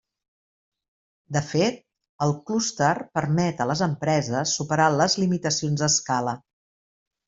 De fet, el clúster permet a les empreses superar les limitacions d'escala.